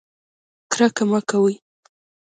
کرکه مه کوئ